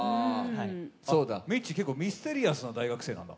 ミッチーは結構ミステリアスな大学生なんや。